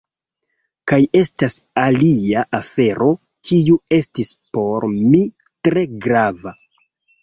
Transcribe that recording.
Kaj estas alia afero kiu estis por mi tre grava.